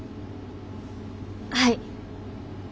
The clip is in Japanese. はい。